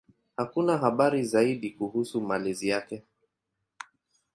Hakuna habari zaidi kuhusu malezi yake.